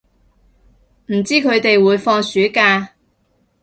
唔知佢哋會放暑假